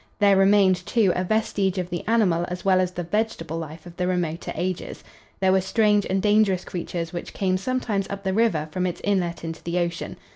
There remained, too, a vestige of the animal as well as of the vegetable life of the remoter ages. There were strange and dangerous creatures which came sometimes up the river from its inlet into the ocean.